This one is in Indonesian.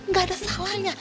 gak ada salahnya